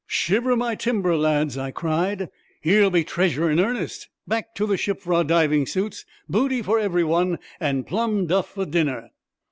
"'Shiver my timbers, lads!" I cried, "here 'll be treasure in earnest! Back to the ship for our diving suits! Booty for every one, and plum duff for dinner!"